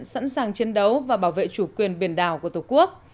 sẵn sàng chiến đấu và bảo vệ chủ quyền biển đảo của tổ quốc